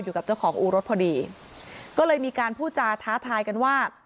อยู่กับเจ้าของอู่รถพอดีก็เลยมีการพูดจาท้าทายกันว่า